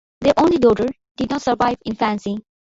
Their only daughter did not survive infancy.